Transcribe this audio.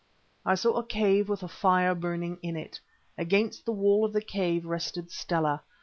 I saw a cave with a fire burning in it. Against the wall of the cave rested Stella.